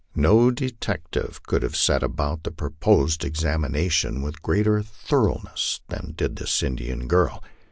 No detective could have set about the proposed examination with great er thoroughness than did this Indian girl.